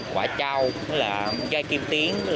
quả trao dây kim tiến